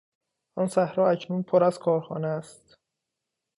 آن صحرا اکنون پر از کارخانه است.